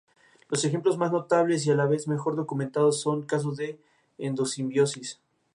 Los ejemplos más notables y a la vez mejor documentados son casos de endosimbiosis.